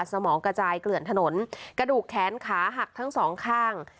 สมองกระจายเกลื่อนถนนกระดูกแขนขาหักทั้งสองข้าง